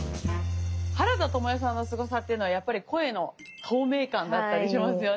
原田知世さんのすごさっていうのはやっぱり声の透明感だったりしますよね。